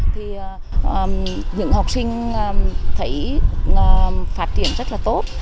thì những học sinh thấy phát triển rất là tốt